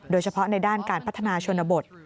โดยเฉพาะในด้านการพัฒนาชนบท